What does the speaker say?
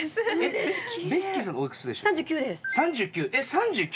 ３９。